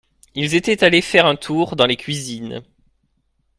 Ils étaient allés faire un tour dans les cuisines.